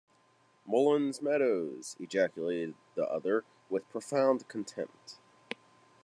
‘Mullins’s Meadows!’ ejaculated the other, with profound contempt..